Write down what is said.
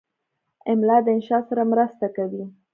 املا د انشا سره مرسته کوي.